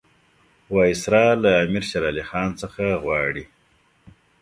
وایسرا له امیر شېر علي خان څخه غواړي.